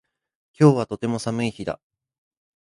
今日はとても寒い日だ